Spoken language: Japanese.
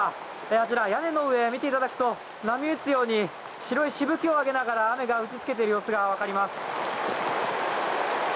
あちら、屋根の上見ていただくと波打つように白いしぶきを上げながら雨が打ちつけている様子がわかります。